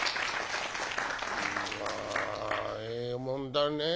「うわええもんだねえ。